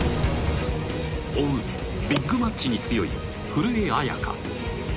追うビッグマッチに強い古江彩佳。